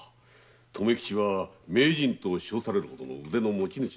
留吉は「名人」と称されたほどの腕の持ち主。